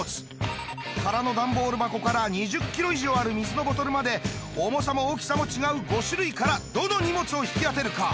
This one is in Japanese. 空の段ボール箱から２０キロ以上ある水のボトルまで重さも大きさも違う５種類からどの荷物を引き当てるか？